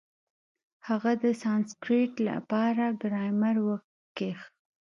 هغه د سانسکرېټ له پاره ګرامر وکېښ.